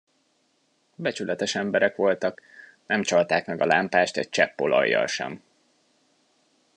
Becsületes emberek voltak, nem csalták meg a lámpást egy csepp olajjal sem.